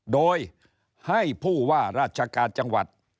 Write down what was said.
โดยให้ผู้ว่าราชการจังหวัด